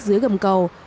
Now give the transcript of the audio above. dưới gầm cầu